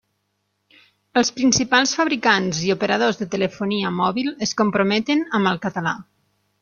Els principals fabricants i operadors de telefonia mòbil es comprometen amb el català.